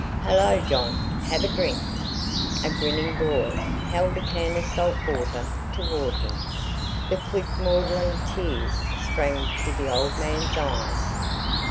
"Halloo, John, have a drink?" A grinning boy held a can of salt water toward him. The quick maudlin tears sprang to the old man's eyes.